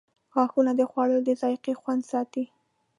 • غاښونه د خوړو د ذایقې خوند ساتي.